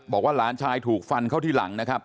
บอกว่าหลานชายถูกฟันเข้าที่หลังนะครับ